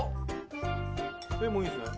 でもういいんですね。